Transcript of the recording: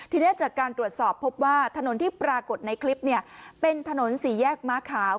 ทีนี้จากการตรวจสอบพบว่าถนนที่ปรากฏในคลิปเป็นถนนสี่แยกม้าขาว